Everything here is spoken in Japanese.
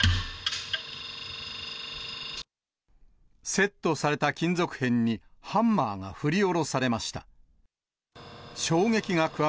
セットされた金属片に、ハンマーが振り下ろされました。